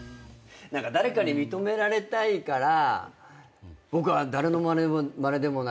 誰かに認められたいから僕は誰のまねでもない。